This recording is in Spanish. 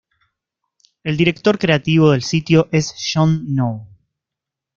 El director creativo del sitio es John Noe.